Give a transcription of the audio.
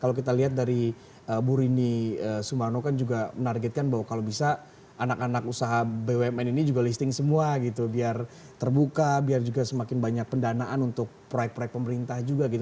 kalau kita lihat dari bu rini sumarno kan juga menargetkan bahwa kalau bisa anak anak usaha bumn ini juga listing semua gitu biar terbuka biar juga semakin banyak pendanaan untuk proyek proyek pemerintah juga gitu